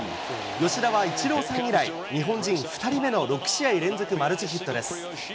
吉田はイチローさん以来、日本人２人目の６試合連続マルチヒットです。